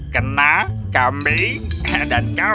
kena kambing dan kau semua